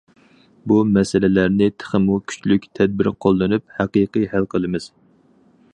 بۇ مەسىلىلەرنى تېخىمۇ كۈچلۈك تەدبىر قوللىنىپ ھەقىقىي ھەل قىلىمىز.